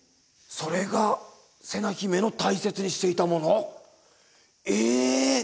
それが瀬名姫の大切にしていたもの？えっ！？